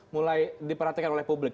mulai diperhatikan oleh publik